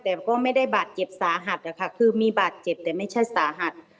แต่ก็ไม่ได้บาดเจ็บสาหัสนะคะคือมีบาดเจ็บแต่ไม่ใช่สาหัส